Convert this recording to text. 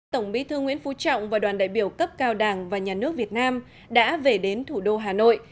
tổng bí thư nguyễn phú trọng và đoàn đại biểu cấp cao đảng và nhà nước việt nam đã về đến thủ đô hà nội